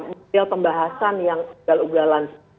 makin banyak pembahasan dan ugalan